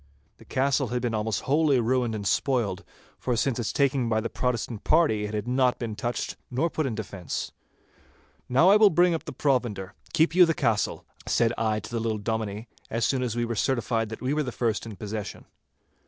The castle had been almost wholly ruined and spoiled, for since its taking by the Protestant party, it had not been touched nor put in defence. 'Now I will bring up the provender. Keep you the castle,' said I to the little Dominie, as soon as we were certified that we were first in possession.